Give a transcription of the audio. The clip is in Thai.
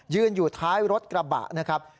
อยู่ท้ายรถกระบะนะครับ